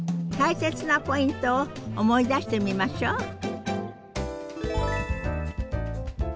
大切なポイントを思い出してみましょう。